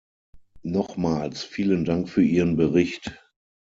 Nochmals vielen Dank für Ihren Bericht.